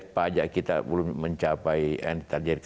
pajak kita belum mencapai